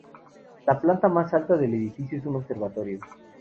La planta más alta del edificio, es un observatorio.